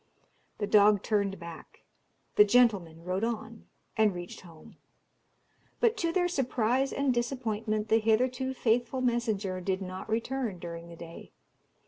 The dog turned back; the gentlemen rode on, and reached home; but to their surprise and disappointment the hitherto faithful messenger did not return during the day.